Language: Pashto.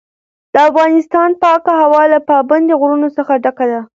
د افغانستان پاکه هوا له پابندي غرونو څخه ډکه ده.